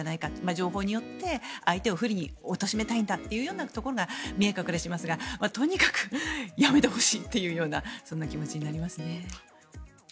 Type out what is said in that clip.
情報によって相手を不利におとしめたいんだというところが見え隠れしますが、とにかくやめてほしいというようなそんな気持ちになりますね。